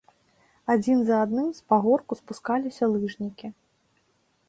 Адзін за адным з пагорку спускаліся лыжнікі.